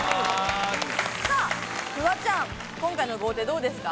フワちゃん、今回の豪邸どうですか？